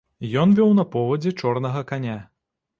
Ён вёў на повадзе чорнага каня.